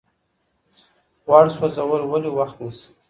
غوړ سوځول ولې وخت نیسي؟